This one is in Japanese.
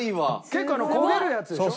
結構焦げるやつでしょ？